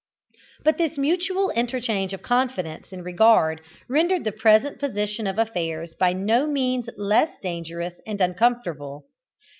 But this mutual interchange of confidence and regard rendered the present position of affairs by no means less dangerous and uncomfortable.